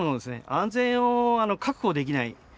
安全を確保できない。